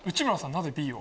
なぜＢを？